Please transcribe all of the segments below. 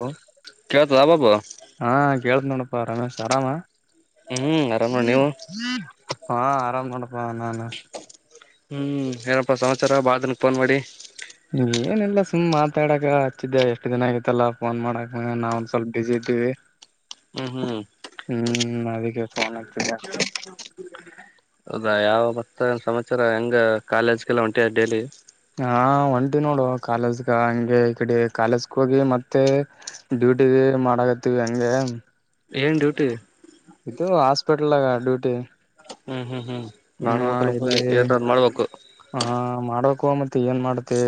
Hello ಕೇಳ್ತದ ಬಾಬು ಹಾ ಕೇಳ್ದ ನೋಡಪ್ಪಾ ರಮೇಶ್ ಆರಾಮ ಹ್ಮ್ ಆರಾಮ್ ನೀವು ಹಾ ಆರಾಮ್ ನೋಡಪಾ ನಾನು ಹ್ಮ್- ಏನಪ್ಪಾ ಸಂತ್ಚಾರ ಬಾದನ ಫೋನ್ ಮಾಡಿ ಏನಿಲ್ಲ ಸುಮ್ ಮಾತಾಡಕ ಹಚ್ಚಿದ್ದೆ ಎಷ್ಟ್ ದಿನ ಆಗಿತಲ್ಲ ಫೋನ್ ಮಾಡಕ್ ನಾವ ಒಂದ್ ಸ್ವಲ್ಪ ಬಿಸಿ ಇದ್ದೇವೆ ಹ್ಮ್ ಹ್ಮ್ ಹ್ಮ್ ಅದಕ್ಕೆ ಫೋನ್ ಹಚ್ಚಿದೆ ಹೌದಾ ಯಾವ ಮತ್ತ ಸಮಾಚಾರ ಹೆಂಗ ಕಾಲೇಜ್ಗೆಲ್ಲ ಹೊಂಟಿಯ ಡೈಲಿ ಹಾ ಒಂಟಿ ನೋಡುವ ಕಾಲೇಜ್ಗ ಹಂಗೆ ಈ ಕಡೆ ಕಾಲೇಜ್ಗೆ ಹೋಗಿ ಮತ್ತೆ ಡೂ ಬಿಟ್ಟ ಮಾಡಗತ್ ಹೆಂಗ ಏನ್ ಡ್ಯೂಟಿ ಇದು ಹಾಸ್ಪಿಟಲ್ ಆಗ ಡ್ಯೂಟಿ ಹ್ಮ್- ಹ್ಮ್ -ಹ್ಮ್ -ಮಾಡ್ಬೇಕಲ್ಪ ಮಾಡ್ಬೇಕು ಹಾ ಮಾಡಕು [unintelligible] ಏನ್ ಮಾಡ್ತಿ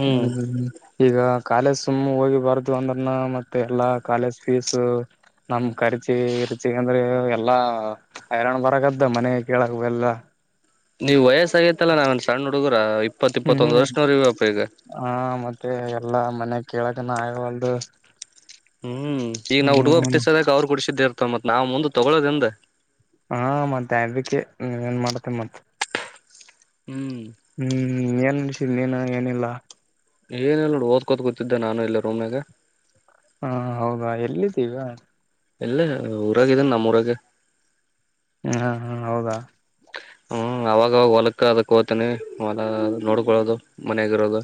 ಹ್ಮ್ [unintelligible] ಈಗ ಕಾಲೇಜ್ ಸುಮ್ ಹೋಗಿ [unintelligible] ಅಂದ್ರನ ಮತ್ತೆ ಎಲ್ಲಾ ಕಾಲೇಜ್ ಫೀಸ್ ನಮ ಖರ್ಚಿ ರುಚಿ ಅಂದ್ರೆ ಎಲ್ಲಾ ಹೈರಾಣ್ ಬರಕದ ಮನೆ ಕೇಳಕ್ ಬೆಲ್ಲ. ನೀವ್ ವಯಸ್ಸ ಆಗೇತ್ತಲ್ಲಾ ನಾ ಸಣ್ಣ ಹುಡುಗುರ [unintelligible] ಹ್ಮ್ ಇಪ್ಪತ್ಇಪ್ಪತ್ತೊಂದು ಹ್ಮ್ ವರ್ಷನವ್ರ್ಯಾಪ ಈಗ ಎಲ್ಲ ಮನೆ ಕೇಳಕನ ಆಗ್ವಾದು ಹ್ಮ್-ಈಗ ನಾವು ಹುಡುಗೊ ಬಿಟ್ಟ ಸದಕ ಅವ್ರು ಕುಡಸಿದ್ದೇ ಇರ್ತ ಮತ್ ನಾವ್ ಮುಂದ ತೊಗೊಳ್ಳೋದಿಂದ, ಹಾ ಮತ್ತೆ ಆಬಕ್ಕೆ ಏನ್ ಮಾಡತ್ತೇ ಮತ್ತೆ ಹ್ಮ್ ಹ್ಮ್ [unintelligible] ನೀನ ಏನಿಲ್ಲ ಏನಿಲ್ ನೋಡ್ ಓದ್ಕೋತ ಕುತ್ತಿದ್ದೆ ನಾನು ಇಲ್ಲ ರೂಮ್ನಾಗ ಹಾ ಹೌದಾ ಎಲ್ಲಿದ್ದೀಗ ಇಲ್ಲ ಊರಾಗಿದಿನೆ ನಮ್ಮೂರಾಗೆ ಹಾ ಹಾ ಹೌದಾ ಹ್ಮ ಅವಾಗವಾಗ ಹೊಲಕ್ಕ ಅದಕ್ ಹೋತನಿ ಹೊಲ ನೋಡ್ಕೊಳ್ಳೋದು ಮನಗಿರೋದು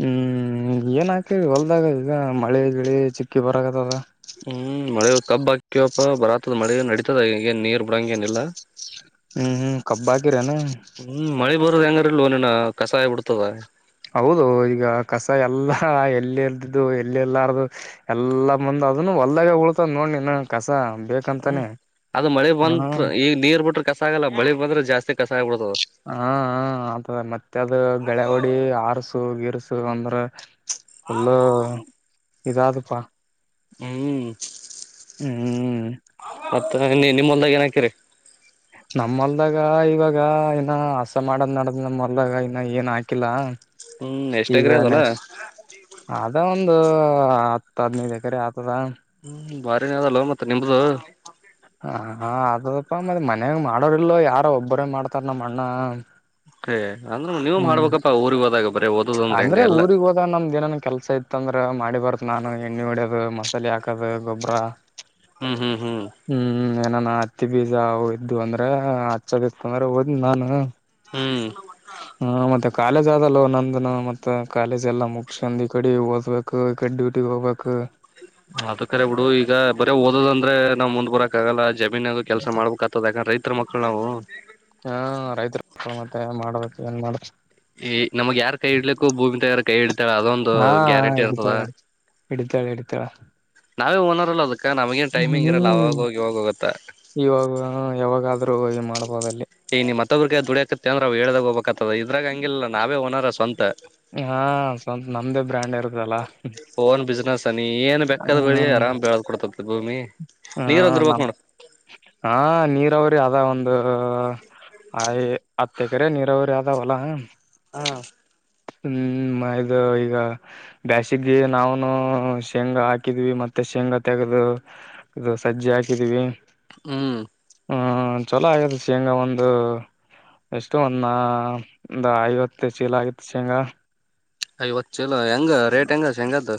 ಹ್ಮ್ [unintelligible] ಹೊಲ್ದಾಗ ಈಗ ಮಳೆ ಗಿಳಿ ಚಿಕ್ಕಿ ಬರಗತದ ಹ್ಮ್ ಮಳೆ ಕಬ್ ಹಾಕ್ಯವಪ್ಪ ಬರಾತದ ಮಳೆ ನಡತದನ್ ನೀರ್ ಬಿಡಂಗೆನಿಲ್ಲಾ ಹ್ಮ್ ಹ್ಮ್ ಕಬ್ಬ ಆಕಿರೆನು [unintelligible] ಕಸಾಯ ಬಿಡ್ತದ ಹೌದೊ ಈಗ ಕಸ ಎಲ್ಲಾ ಎಲ್ಲಿ [unintelligible] ಎಲ್ಲಾರದುು ಎಲ್ಲ ಮುಂದ ಅದನ್ನು ಒಳ್ದಾಗ ಉಳತದ ನೋಡ್ [unintelligible] ಹ್ಮ ಬೇಕಂತಾನೆ ಅದು ಮಳೆ ಹ ಬಂತ್ ಈಗ ನೀರ್ ಬಿಟ್ರೆ ಕಸ ಆಗಲ್ಲ ಮಳಿ ಬಂದ್ರೆ ಜಾಸ್ತಿ ಕಸ ಆಗ್ಬಿಡ್ತದ ಹಾ ಹ ಆತದ ಮತ್ತೆ ಅದು ಕಳೆ ಹೊಡಿ ಆರಸು ಗೀರ್ [unintelligible] ಎಲ್ಲ ಇದಾದದುಪ್ಪಾ ಹ್ಮ್ ಹ್ಮ್ ಮತ್ತ ನಿಮ್ಮಲ್ದಾಗ ಏನ [unintelligible] [unintelligible] ನಮ್ಮೂಲ್ದಾಗ ಇವಾಗ ಏನ ಹಸ ಮಾಡದ್ ನಡ್ದ್ ನಮ ಮಲ್ದಾಗ ಇನ್ನ ಏನ್ ಹಾಕಿಲ್ಲ ಹ್ಮ್ ಎಷ್ಟ್ ಈಗ ಎಕರೆ ಅದಲ್ಲ [unintelligible] ಅದ ಒಂದ್ [unintelligible] ಆತ್ ಅದ್ನೈದ್ ಎಕ್ರೆ ಆತದ ಹ್ಮ್ ಬಾರಿನ ಅದಲ್ಲೂ ಮತ್ತೆ ನಿಮ್ದ ಹ ಹ [unintelligible] ಮತ್ತ ಮನ್ಯಾಗ ಮಾಡೋರ್ ಇಲೊ ಯಾರ ಒಬ್ಬರೇ ಮಾಡ್ತಾರ ನಮ್ಮ ಅಣ್ಣ ಹೇ ಅಂದ್ರೆ ನೀವು ಹ್ಮ್ ಮಾಡ್ಬೇಕಪ್ಪಾ ಊರಿಗೆ ಹೋದಾಗ ಬರೀ ಓದೋದಂದ್ರೆ ಹೆಂಗ ಅಂದ್ರೆ ಎಲ್ಲ ಊರಿಗ್ ಹೋದ ನಮ್ದ್ ಏನನ್ ಕೆಲ್ಸ ಇತ್ತ ಅಂದ್ರ ಮಾಡಿ ಬರ್ತ್ ನಾನು ಎಣ್ಣಿ ಹೊಡ್ಯ್ ಮಸಾಲೆ [unintelligible] [unintelligible] ಗೊಬ್ಬರ ಹ್ಮ್ ಹ್ಮ್ ಹ್ಮ್ ಏನಾನ ಹತ್ತಿ ಬೀಜ ಅವು ಇದ್ವುಅಂದ್ರೆ ಹಚ್ಚದಿತಂದ್ರ ಹೊತಿ ನಾನ ಹ್ಮ್ ಹಾ ಮತ್ತೆ ಕಾಲೇಜ್ ಆದಲ್ಲೋ ನಂದು ಮತ್ತು ಕಾಲೇಜೆಲ್ಲ ಮುಗಸಂದು ಈ ಕಡೆ ಓದ್ಬೇಕು ಈ ಕಡೆ ಡ್ಯೂಟಿಗೆ ಹೋಗ್ಬೇಕು ಅದ ಕರೆ ಬಿಡು ಈಗ ಬರೀ ಓದೋದಂದ್ರೆ ನಾವ್ ಮುಂದ್ ಬರಕ್ ಆಗಲ್ಲ ಜಮೀನಗು ಕೆಲಸ ಮಾಡ್ಬೇಕ್ ಆತದ ಯಾಕಂದ್ರೆ ರೈತ ಮಳ್ಕು ನಾವು ಹಾ ರೈತರು [unintelligible] ಮತ್ತೆ ಮಾಡಬೇಕು ಏನ್ [unintelligible] ಈ ನಮಗ್ ಯಾರ್ ಕೈ ಇಡ್ಲಕು ಭೂಮಿ ತಾಯಿ ಯಾರ ಕೈ [unintelligible] [unintelligible] ಅದೊಂದು ಹಾ ಗ್ಯಾರಂಟಿ ಇರ್ತದ ಹಿಡಿತಾಳೆ ಹಿಡಿತಾಳೆ ಹಿಡಿತಾಳ ನಾವೇ ಓನರ್ ಅಲ್ಲ ಅದ್ಕ ನಮಗೆನ್ ಟೈಮಿಂಗ್ ಇರಲ್ಲ ಹ್ಮ್ ಅವಾಗೋಗ ಇವಾಗೋಗತ್ತಾ ಇವಾಗ [unintelligible] ಯಾವಾಗಾದ್ರೂ ಮಾಡ್ಬೋದಲ್ಲಿ ಈ ನೀ ಮತ್ತೊಬ್ರಿಗೆ ದುಡಿಯಕತ್ತ ಅಂದ್ರ ಅವ ಹೇಳ್ದಾಗ ಹೋಗ್ಬೇಕ್ತತದ ಇದ್ರಾಗ ಹಂಗಿಲ್ಲ ನಾವೆ ಓನರ್ ಸ್ವಂತ ಹಾ ಸ್ವಪ ನಮ್ದೇ ಬ್ರ್ಯಾಂಡ್ ಇರ್ತದಲ್ಲ ಓನ್ ಬಿಸ್ನೆಸ್ ನೀ ಏನ್ ಬೆಕ್ಕದ್ ಬಳಿ ಆರಾಮ್ ಬೆಳ ಕೊಡ್ತದ ಹಾ [unintelligible] ಹಾ [unintelligible] ನೀರಾವರಿ ಆದ. ಒಂದು ಆ ಹತ್ತ ಎಕರೆ ನೀರಾವರಿ ಆದ ಹೊಲ. ಹಾ, ಹ್ಮ್ ಇದು ಈಗ ಬ್ಯಾಸಿಗಿ ನಾವನು ಶೇಂಗ ಹಾಕಿದ್ವಿ. ಮತ್ತೆ, ಶೇಂಗಾ ತೆಗದು, ಇದು ಸಜ್ಜಿ ಹಾಕಿದೀವಿ. ಹ್ಮ್. ಹ್ಮ ಚಲೋ ಆಗ್ಯದ. ಶೇಂಗ್ ಒಂದು, ಎಷ್ಟು ಒಂದ ಒಂದ ಐದ ಹತ್ತ ಆಗಿತ್ತು ಶೇಂಗ. ಐವತ್ತು ಚೀಲ ಹೆಂಗ, ರೇಟ್ ಹೆಂಗ ಶೇಂಗಾದು,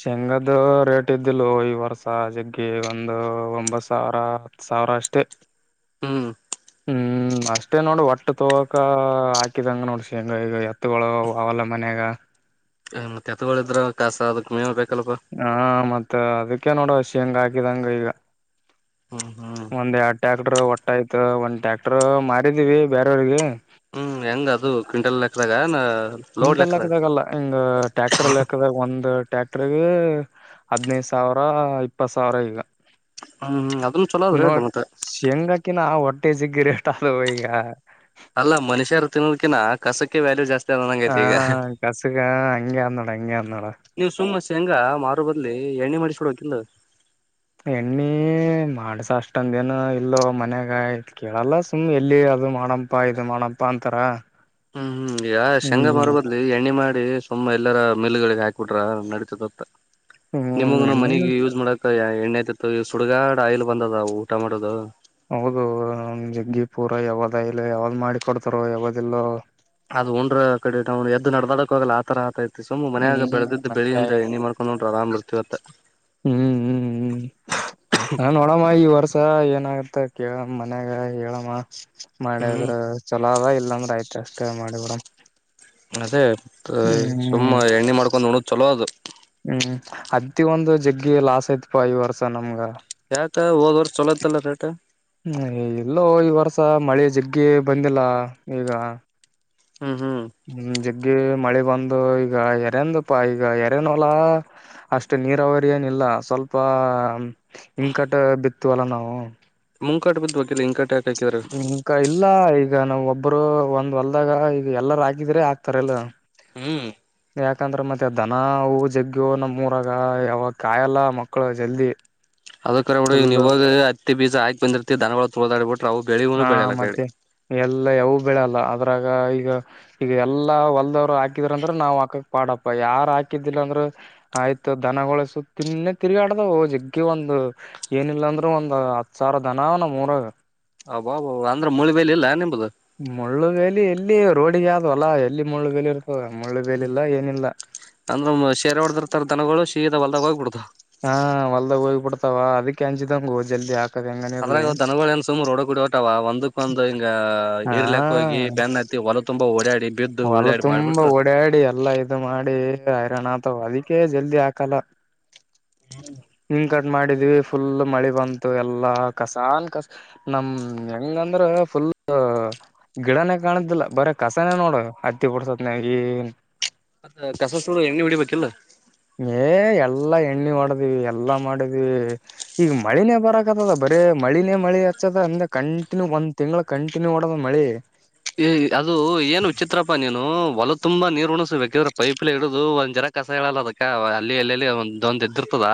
ಶೆಂಗ್ದ ರೇಟ್ ಇದ್ದಿಲ್ಲ, ಈ ವರ್ಷ ಜಗ್ಗಿ ಒಂದು ಒಂಬತ್ತು ಸಾವಿರ, ಹತ್ತು ಸಾವಿರ, ಅವರಷ್ಟೇ. ಹ್ಮ್. ಹ್ಮ್. ಅಷ್ಟೇ ನೋಡ ಒಟ್ಟು ತ್ತೊಗ್ಕ ಹಾಕಿದಂಗ ನೋಡ. ಶೇಂಗ ಈಗ ಎತ್ತಗಳು ಅವಾವಲ್ಲ ಮನ್ಯಾಗ. ಹ್ಮ್ ಎತ್ತುಗಳಿದ್ರ ಕಸ ಅದಕ್ ಮೇವ ಬೇಕು. ಹಾ ಮತ್ತ ಅದಕ್ಕೆ ನೋಡ ಶೇಂಗ್ ಹಾಕಿದಂಗ ಈಗ. ಹ್ಮ್ ಹ್ಮ್ ಒಂದ್ ಎರಡ್ ಟ್ಯಾಕ್ಟರ್ ಒ ಆಯ್ತು ಒಂದ್ ಟ್ಯಾಕ್ಟರ್ ಮಾರಿದೀವಿ ಬೇರೆಯವ್ರಿಗೆ. ಹ್ಮ್ ಹೆಂಗ್ ಅದು ಕ್ವಿಂಟಲ್ ಲೆಕ್ಕದಾಗನಾ. ಕುಂಟಲ್ ಹಾಕದಾಗಲ್ಲಾ, ಹಿಂಗ ಟ್ಯಾಕ್ಟರ್ಲ್ಲಿ ಹಾಕದಾಗ, ಒಂದ್ ಟ್ಯಾಕ್ಟರ್ಗ ಹದ್ನೈದು ಸಾವಿರ, ಇಪ್ಪತ್ ಸಾವಿರ ಈಗ, ಹ್ಮ್ ಅದನ್ ಚಲೋ ಅದ್ರಿ ನೋಡ್ ಮತ್ತ ಶೇಂಗಾಕಿನ ಆ ಹೊಟ್ಟೆಸಿಗೆ [unintelligible] ಅಲ್ಲಾ ಮನುಷ್ಯರು ತಿನ್ನೋದಕಿನಾ ಕಸಕ್ಕೆ ವ್ಯಾಲ್ಯೂ ಜಾಸ್ತಿ, ಅದ ಹಾ ನಂಗೈತಿ ಈಗ ಕಸಗ ಹಂಗೆ ಆದ ನೋಡ್ ಹಂಗೆ ಆದ ನೋಡ್. ಶೇಂಗ ಮಾರು ಬದ್ಲಿ ಎಣ್ಣೆ ಮಾಡಿಸ್ಕೊಡಬೇಕಕಿಲ್ಲಾ. ಎಣ್ಣಿ ಮಾಡ್ಸ ಅಷ್ಟೊಂದ ದಿನ ಇಲ್ಲ ಮನ್ಯಾಗ ಆಯತ್ ಕೇಳಲ್ಲ. ಸುಮ್ ಎಲ್ಲಿ, ಅದು ಮಾಡಮಪ್ಪಾ ಇದು ಮಾಡಪ್ಪ ಅಂತಾರ. ಹ್ಮ್ ಹ್ಮ್ ಈಗ ಶೇಂಗ ಹ್ಮ್ ಮಾರಬದುಲೇ. ಎಣ್ಣಿ ಮಾಡ ಸುಮ್ಮ ಎಲ್ಲರ ಮೇಲು ಗಳಿಗೆ ಹಾಕ್ಬಿಟ್ರ ನಡಿತದಂಥ ಹ್ಮ್ ನಿಮಗನು ಎಣ್ಣೆನ ಮನಿಗಿ ಯೂಸ್ ಮಾಡ, ಎಣ್ಣೆಯ್ತಿತ್ತು ಈ ಸುಡ್ಗಾಡ್ ಆಯಿಲ್ ಬಂದದ ಊಟಮಾಟೋದು. ಹೌದು ಜಗ್ಗಿ ಪೂರ ಯಾವದ ಇಲ್ಲ ಯಾವ್ದ್ ಮಾಡಿ ಕೊಡ್ತಾರೋ ಯಾವದಿಲ್ಲೋ. ಅದು ಉಂಡ್ರ ಕಡೆ ನ್ ಎದ್ದು ನಡ್ದದಕ್ ಹೋಗಲ್ಲ. ತರ ಆತೈಐತಿ ಸುಮ್ ಮನೆಯಾಗ ಹ್ಮ್ ಬೆಳದಿದ್ದ ಬೆಳಿ ಹಂಗೆ ಇಂದ ಆಗೈತಿ. ಎಣ್ಣಿ ಮಾಡ್ಕೊಂಡ್ ಹೊಂಟ್ರಾ ಆರಾಮ್ ಇರ್ತಿತ್ತ. ಹ್ಮ್ ಹ್ಮ್ ಹ್ಮ್ ನಾನ್ ನೋಡಮ್ಮ. ಈ ವರ್ಷ ಏನ ಅಂತ ಕೇಳಮ್ಮ ಮನ್ಯಾಗ, ಹೇಳಮ್ಮ, ಮಾಡಿದ್ರ ಹ್ಮ್ ಚಲ ಆದ ಇಲ್ಲ. ಇಲ್ಲಂದ್ರ ಆಯ್ತಾ ಅಷ್ಟೇ ಮಾಡಿಬಿಡಮ್ಮ. ಅದೇ ಸುಮ್ಮ ಎಣ್ಣಿ ಮಾಡ್ಕೊಂಡ್ ಉಣ್ಣೋದ ಚಲೋ ಅದು. ಹ್ಮ್ ಅತ್ತಿ ಒಂದು ಜಗ್ಗಿ ಲಾಸ್ ಆತ್ಪಾ ಈ ವರ್ಷ ನಮ್ಗ. ಯಾಕ ಹೋದ್ವರ್ಷ ಚಲೋತ್ತಲ್ಲ ರೇಟ್. ಹ್ಮ ಇಲ್ಲೋ ಈ ವರ್ಷ ಮಳಿ ಜಗ್ಗಿ ಬಂದಿಲ್ಲ. ಈಗ, ಹ್ಮ್ ಹ್ಮ್. ಗಿ ಮಳೆ ಬಂದು ಈಗ ಎರೆಂದಪ್ಪಾ ಈಗ ಎರೆನೋಲ ಅಷ್ಟು ನೀರಾವರಿ ಏನಿಲ್ಲ. ಇಲ್ಲ ಸ್ವಲ್ಪ ಹಿಂಕಟ ಬಿತೀವಿ ಅಲ್ಲ ನಾವು. [unintelligible] ಯಾಕ ಹಾಕಿದ್ರ ಇಂಕಾ ಇಲ್ಲ ಈಗ ನಾವು ಒಬ್ ಒಬ್ರು ಒಂದ್ ಹೊಲ್ದಾಗ ಈದು ಎಲ್ಲರ ಹಾಕಿದ್ರೆ ಆಕ್ತಾರ ಇಲ್ಲ. ಹ್ಮ್. ಯಾಕಂದ್ರೆ ಮತ್ತೆ ದನ ಅವು ಜಗ್ಗ ನಮೂರಾಗ ಯಾವಾಗ ಕಾಯಲ್ಲ ಮಕ್ಳು ಜಲ್ದಿ. [unintelligible] ಫುಲ್ ಈಗವಾಗ ಹತ್ತಿ ಬೀಜ ಹಾಕ್ ಬಂದಿರ್ತಿ ದನಗಳ ತುಲ್ದಾಡಿಬಿಡ್ತಾವ ಹಾ ಮತ್ತೆ ಎಲ್ಲ ಯಾವ ಬೇಳೆಲ್ಲ, ಅದ್ರಾಗ ಈಗ ಈಗ ಎಲ್ಲಾ ಹೊಲ್ದವ್ರು ಹಾಕಿದ್ರಂದ್ರ ನಾವ್ ಹಾಕಕ್ ಪಾಡಪ್ಪ ಯಾರ ಹಾಕಿದ್ದಿಲ್ಲ ಅಂದ್ರ. ಆಯ್ತು ದನಗಳ ಸೂತಿನ್ನೇ ತಿರುಗಾಡ್ದವು ಜಗ್ಗಿ ಒಂದು ಏನಿಲ್ಲ ಅಂದ್ರೂ ಒಂದ. ಹತ್ತ ಸಾವಿರ ದನ ಆವ ನಮೂರಗ. ಅಬ್ಬಾಬ ಅಂದ್ರ ಮೂಳಿ ಬೇಲಿ ಇಲ್ಲ ನಿಮ್ದು ಮುಳ್ಳು ಗಾಲಿ ಎಲ್ಲಿ. ರೋಡಿಗೆ ಆದ ಹೊಲ ಎಲ್ಲಿ ಮುಳ್ಳುಬೆಲ್ಲಿ ಇರುತ್ತ. ಹ್ಮ ಅಂದ್ರ ಶೇರೆ ಹೊಡದಿರ್ತಾರ ದನಗಳು. ಸಿದ ಹೊಲದಾಗ ಹೋಗಿ ಬಿಡತಾದ. ಹೋಲದಾಗ ಹೋಗಿ ಬೀಡ್ತಾವ ಅದಕ್ಕೆ ಅಂಜಿದಂಗೊ ಜಲ್ದಿ ಆ. ಅದ್ರಾಗ ದನಗಳ ಏನ ಸುಮ್ ರೋಡ ಕುಡಿ ಹೊಗತಾವ ಒಂದಕ್ಒಂದ ಹಿಂಗ ಹಾ ಇರ್ಲೆಕ್ಕ ಹೋಗಿ ಬೆನ್ ಹತ್ತಿ. ಅವು ತುಂಬ ಒಳ್ಳೆ. ಹೊಲ ತುಂಬಾ ಓಡಾಡಿ ಎಲ್ಲಾ ಇದು ಮಾಡಿ. ಡೈಲಿ ಹೈರಾಣ ಆತಾವ ಅದಕ್ಕೆೇ ಜಲ್ದಿ ಹಾಕಲ್ಲ ಹ್ಮ. ಗಡ ಗಡ ಮಾಡಿದ್ವಿ ಫುಲ್ ಮಳಿ ಬಂತು ಎಲ್ಲಾ ಕಸಾನ್ ಕಸ ನಮ ಹೆಂಗಂದ್ರ. ಫುಲ್ ಗಿಡನೇ ಕಾಣುದಿಲ್ಲ ಬರೆ ಕಸನೇ ನೋಡ. ಹತ್ತಿ ಬುಡಸಾತ ನ್ಯಾಗ ಏನಿಲ್ಲ. ಮತ್ತ ಕಸ ಸುಡು ಎಣ್ಣಿ ಹೊಡಿಬೇಕಿಲ್ಲ. ಏ ಎಲ್ಲಾ ಎಣ್ಣೆ ಒಡದ್ವಿ ಎಲ್ಲಾ ಮಾಡಿದ್ವಿ ಈಗ ಮಳಿನೇ ಬರಕತದ ಬ. ಏ ಮಳಿನೇ ಮಳಿ ಹಚ್ಚದ ಅಂದೆ ಕಂಟಿನ್ಯೂ ಒಂದ ತಿಂಗಳ ಕಂಟಿನ್ಯೂ ಹೊಡದಾದ ಮಳಿ. ಹ್ಮ್ಮ್ ಹೋಲದ ತುಂಬಾ ನೀರ ಉಣಿಸ ಬೇಕಿದ್ರ ಪೈಪ್ಲೆ ಇಡುದು ಒಂದ ಜರ ಕಸ ಹೇಳಲ್ಲ ಅದಕ್ಕ ಅಲ್ಲಿ ಎಲ್ಲಲ್ಲಿ ಒಂದ. ಎದಿರತಾದ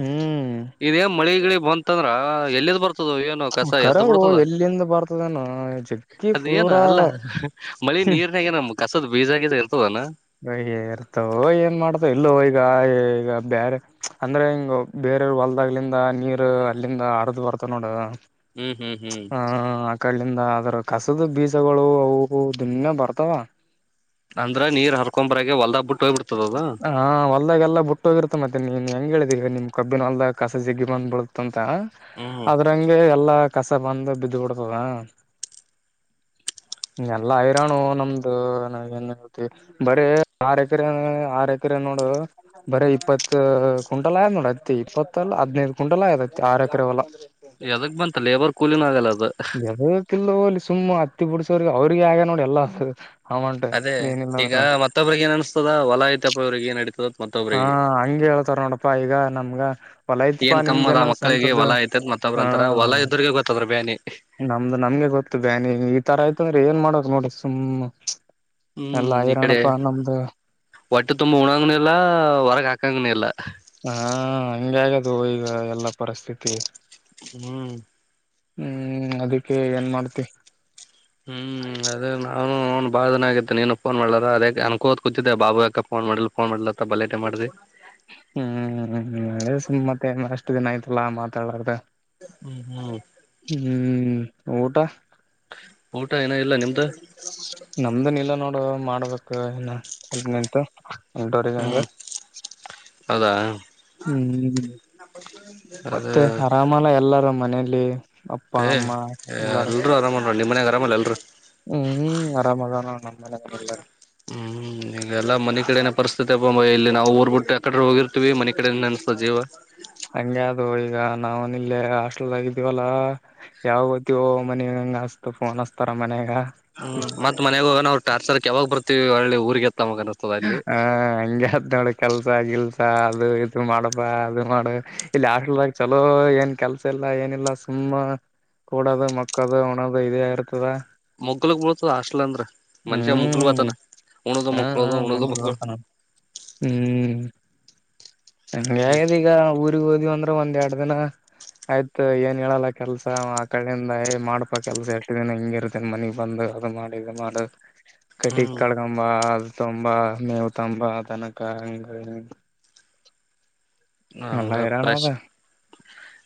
ಹ್ಮ್ ಇದೇ ಮಳಿ ಗಿಳಿ ಬಂತಂದ್ರ ಎಲ್ಲಿದ ಬರ್ತ. ಕರೆವೋ ಎಲ್ಲಿಂದ ಬರ್ತದೇನ ಜಗ್ಗೀಫ. ನೀ ಏನ ಅಲ್ಲ ಮಳಿ ನೀರ ನ್ಯಾಗ ಏನ ಕಸದ ಬೀಜ ಗೀಜ ಏನು. ಬೆಳೆ ಇರ್ತವ ಏನ್ ಮಾಡ್ತ ಏಲ್ಲೋ ಹೋತ. ಈಗ ಈಗ ಬೇರೆ ಅಂದ್ರೆ ಹಿಂಗ ಬೇರೆೆಯವರು ಹೊಲದಾಗ್ಲಿಂದ ನೀರು ಅಲ್ಲಿಂದ ಅರದ ಬರತಾವ. ಮತ ನೋಡ. ಹ್ಮ್ ಹ್ಮ್ ಹ್ಮ್. ಕಲ್ಲಿಂದ ಅದ್ರ ಕಸದ ಬೀಸಗಳು ಅವು ದುನೆ ಬರ್ತಾವ. ಅಂದ್ರ ನೀರ್ ಹರ್ಕೊಂಬರಾಗ ಹೊಲ್ದಾಗ ಬಿಟ್ಟ ಹೋಗ್ಬಿಡ್ತದ ಅದು ಹ್ಮ್ಮ್ ಹೊಲ್ದಾಗೆಲ್ಲ ಬಿಟ್ಟ ಹೋಗಿರ್ತ್ತೆ ಮತ್ತೆ ನೀನ್ ಹೆಂಗ ಹೇಳತಿ. ಈಗ ನಿಮ್ ಕಬ್ಬಿನ ಹೊಲದಾಗ ಕಸ ಜೇಗ್ಗಿ ಬಂದ ಬಳತ್ತಂತ ಹ್ಮ್ ಅದ್ರಂಗೆ ಎಲ್ಲಾ. ಕಸ ಬಂದ ಬಿದ್ದು ಬಿಡ್ತದ. ಎಲ್ಲ ಹೈರಾಣು ನಮ್ದು ಏನ್ ಹೇಳ್ತಿ ಆರ ಹೆಕ್ರಿ. ಎಕರೆ ಆರ್ ಎಕರೆ ನೋಡು ಬರೆ ಇಪ್ಪತ್ತು ಕಿಂಟಲ್ ಆಗ್ಯದ ನೋಡು ಅತ್ತಿ ಇಪ್ಪತ್ತ ಅಲ್ ಹದ್ನೈದು. ಕಿಂಟಲ್ ಆಗ್ಯದ ಅತ್ತಿ ಆರು ಎಕರೆ ಹೋಲ. ಯದಕ್ ಬಂತ ಲೇಬರ್ ಕೂಲಿನ ಆಗಲ್ಲ. ಅದು ಎದಕ ಇಲ್ಲೋ ಅಲ್ಲಿ ಸುಮ್ಮ್ ಹತ್ತಿ ಬಿಡಸೋರಿಗೆ ಅವ್ರಿಗೆ ಆಗದ ನೋಡ ಎಲ್ಲ. ಅದೇ ಈಗ ಮತ ಒಬ್ಬರಿಗೆ ಗೆ ಏನ್ ಅನಸತದ ಹೊಲ ಐತಪ್ಪ ಇವ್ರಿಗೆ ಏನ್ ನಡೀತದ. ಹ್ಮ್ಮ ಮತ್ತೊಬ್ರಿಗೆ ಹಂಗೆ ಹೇಳ್ತಾರ ನೋಡಪ್ಪಾ ಈಗ ನಮ್ಗ ಹೊಲ ಐತಿಪಾ ನಿಮ್ದ ಏನ ಸ್ವಂತದ್ದ. ಮತ್ತೊಬ್ಬರು ಅಂತಾರ ಹೊಲ್ಲ ಇದವರಿಗೆ ಗೊತ್ತ ಅದರ ಬ್ಯಾನಿ. ನಮ್ದು ನಮ್ಗೆ ಗೊತ್ತು ಬ್ಯಾನಿ ಈ ತರ ಆಯ್ತು ಅಂದ್ರೆ ಏನ ಮಾಡಕ ನೋಡರಿ ಸುಮ್ನೆ. ಹ್ಮ್ಮ ಇಕಡೆ ಒಟ್ಟೆ ತುಂಬಾ ಉಣಾಂಗನು ಇಲ್ಲ. ಹೊರಗ ಹಾಕಂಗನ ಇಲ್ಲ. ಹ್ಮ್ಮ್ ಹಂಗೆ ಆಗದೋ ಈಗ ಎಲ್ಲಾ ಪರಿಸ್ಥಿತಿ. ಹ್ಮ್. ಹ್ಮ್ ಅದಿಕ್ಕೆ ಏನ್ ಮಾಡ್ತಿ. ಹ್ಮ್ ಅದೇ ನಾನು ನೌನ ಬಾಳ ದಿನ ಆಗಿತು ನೀನು ಫೋನ್ ಮಾಡಲಾರದ ಅದೇ ಅನಕೊಂತ ಕೂತಿದ್ದೆ ಬಾಬು ಯಾಕ ಫೋನ್. ಫೋನ್ ಮಾಡ ಫೋನ್ ಮಾಡಿಲ್ಲ ಬಲ ಲೆಟ್ ಆಗಿ ಮಾಡ್ದಿ. ಹ್ಮ್ ಮತ್ತೆ ಅಷ್ಟು ದಿನ ಆಯ್ತಲ್ಲಾ ಮಾತಾಡ ಲಾರದ. ಹ್ಮ್ ಹ್ಮ್. ಹ್ಮ್ ಊಟ. ಊಟ ಏನ ಇಲ್ಲ ನಿಮ್ದು ನಮ್ದನ ಇಲ್ಲ ನೋಡು ಮಾಡ್ಬೇಕು ಇನ ಸ್ವಲ್ಪ ನಿಂತು. ಎಂಟ ರ ಗಂಗ ಹ್ಮ್ ಹೌದಾ ಹ್ಮ್ ಅದ ಮತ್ತೆ ಆರಾಮಲ್ಲ ಎಲ್ಲಾರೂ ಮನೆ ಏ್ ಎಲ್ರುೂ ಆರಾಮನ್ ನಿಮ್ಮ ಮನ್ಯಾಗ ಆರಾಮಲ್ಲ ಅಲ್ರ ಹ್ಮ್ ಆರಾಮದ ನಮ್ಮ ಮನೆ ಎಲ್ಲ ಹ್ಮ್ ಈಗಲ್ಲ ಮನೆ ಕಿಡೆೇನೆ ಪರಿಸ್ಥಿತಿ ೊಂಬ ಇಲ್ಲಿ ನಾವು ಊರ್ ಬಿಟ್ಟು ಅಕಡೆ್ರ ಹೋಗಿರ್ತತಿವಿ ಮನೆ ಕಡೆ ಅನ್ಸತ ಜೀವ ಹಂಗಗೆ ಅದು ಈಗ ನಾವವು ನಿ ಇಲ್ಲೇ ಹಾಸ್ಟೆಲ್ ಆಗಿದ್ದೀವಲ್ಲ ಯಾವ ಗಓತ್ತೀವೋ ಮನ ಗಾಸ್ತಫೋನ್ ಅಸ್ತಾರ ಮನೆಾಗ ಹ್ಮ್ ಮತ್ ಮನಯಾಗ ಹೋಗಣ ಅವ್ರು ಟಾರ್ಚರ್ಕ್ ಯಾವಾಗ ಬರ್ತಿವಿ ಒಳ್ಳೆ ಊರ್ಗೆ ಹಾ ಹಂಗಗೆತ್ ನೋಡಿ ಕೆಲ್ಸ ಆಗಿಲ್ ಅದು ಇದ ಮಾಡಪ್ಪಾ ಅದು ಮಾಡ ಇಲ್ಲಿ ಹಾಸ್ಲ್ಗ ಚಲೋ ಏನ್ ಕೆಲ್ಸ ಇಲ್ಲ ಏನಿಲ್ಲ ಸು ನಮ್ಮ ಕೂಡದ ಮಕ್ಕದು ಹಣದು ಇದೇ ಇರ್ತದ ಮೊಗ್ಲಗ್ ಬಳ್ತದ ಆಷ್ಟಲ್ ಅಂದ್ರ ಮನುಷೆ ಹ್ಮ್ ಮುಕ್ಲುವತನಾ ಒ್ಣದು ಹಾ ಹಾ ಮಕ್ಳೋದು ಒದು ಮೊದ್ಲು ಮಳ ನೋಡ್ತಾನ ಹ್ಮ್ ಈಗ ಊ ೋದಿವವಿ ಅಂದ್ರೆ ಒಂದ್ ಎರ ದಿನ ಆಯ್ತ ಏನ್ ಹೇಳಲ್ಲ ಕೆಲ್ಸ ಆ ಕಡೆಯಿಂದ ಏ ಮಾಡ್ಪಾ ಕೆಲ್ಸ ಎಷ್ಟ ದಿನ ಹಿಂಗ ಇರ್ತೇನ್ ಮನಗ್ ಬಂದ ಅದು ಮಾಡಿ ಇದು ಮಾಡ ಕಟ್ಟಗ್ ಹ್ಮ್ ಕಡ್ಗಂಬ ಅದು ತಂಬ ಮೇವ ತಂಬ ತನಕ ಹಂಗ ಹ ಎಲ್ಲ ಹಂಗ ಹೈರಾಣ ಫ್ರೆಶ್ ಅದ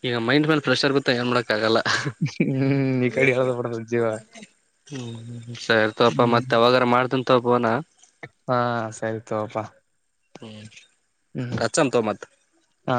ಈಗ ಮೈಂಡ್ ಮೇಲೆ ಫ್ರೆಶ್ ಆರ್ಗುತ್ತೆ ಏನ್ ಮಾಡೋಡ ಆಕ್ಕಾಗಲ್ಲ ಹ್ಮ್ ಈ ಕಡೆ ಹೇಳದ ಬಿಡದ ಜೀವ ಹ್ಮ್ ಸರಿಗಪ್ಪ ಮತ್ತೆ ಯಾವಾಗ ಮಾಡ್ತೀನಿ ತಾಬೋನಾ ಹಾ ಸರಿತಪಾ ಹ್ಮ್ ಕಚ್ಚಾಮ ತೋ ಮತ್ತ ಹಾ